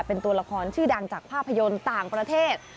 เป็นตัวละครชื่อดังจากภาพยนตร์ต่างประเทศ